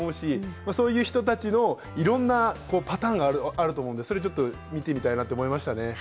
そういう人の話は聞きたいと思いますし、そういう人たちのいろんなパターンがあると思うので、それを見てみたいなと思いましたね。